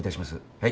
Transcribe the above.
はい。